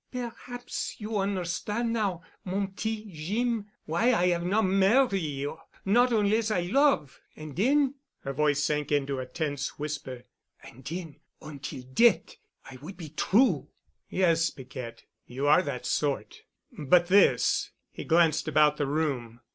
"Perhaps you onderstan' now, mon petit Jeem, why I 'ave not marry. Not onless I love, and den——," her voice sank to a tense whisper, "and den ontil deat' I would be true——" "Yes, Piquette. You are that sort. But this——," and he glanced about the room.